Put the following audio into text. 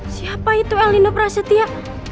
siapa itu elina prasetya